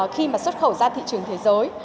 khi mà xuất khẩu ra thị trường thế giới